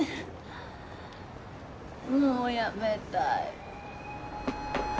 もう辞めたい。